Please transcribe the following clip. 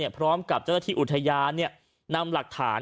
พร้อมกับเจ้าหน้าที่อุทยานนำหลักฐาน